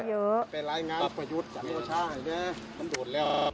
เป็นรายงานประยุทธ์